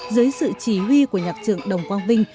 dưới sự chỉ huy của nhạc trưởng đồng quang vinh